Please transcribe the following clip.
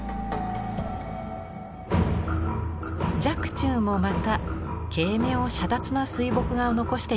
若冲もまた軽妙洒脱な水墨画を残しています。